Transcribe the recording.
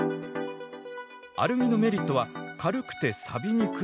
アルミのメリットは軽くてさびにくいこと。